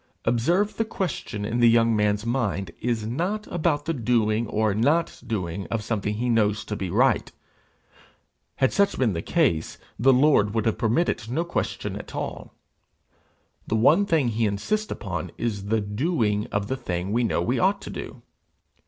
Observe, the question in the young man's mind is not about the doing or not doing of something he knows to be right; had such been the case, the Lord would have permitted no question at all; the one thing he insists upon is the doing of the thing we know we ought to do.